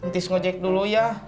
tis ngecek dulu ya